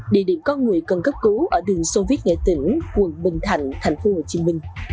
địa điểm có người cần cấp cứu ở đường sô viết nghệ tỉnh quận bình thạnh tp hcm